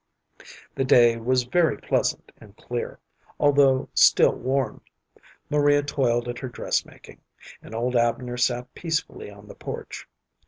The day was very pleasant and clear, although still warm. Maria toiled at her dress making, and old Abner sat peacefully on the porch.